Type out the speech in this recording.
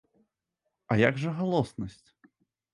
А як жа галоснасць?